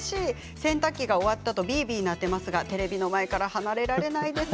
洗濯機が終わったあと音が鳴っていますがテレビの前から離れられないです。